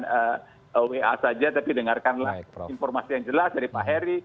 tidak hanya dari wa saja tapi dengarkanlah informasi yang jelas dari pak heri